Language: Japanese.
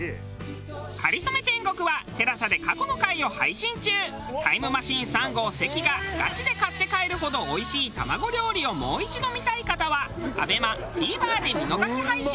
『かりそめ天国』はタイムマシーン３号関がガチで買って帰るほどおいしい卵料理をもう一度見たい方はＡＢＥＭＡＴＶｅｒで見逃し配信！